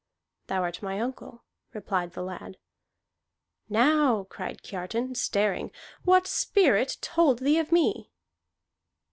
"Thou art my uncle," replied the lad. "Now," cried Kiartan, staring, "what spirit told thee of me?"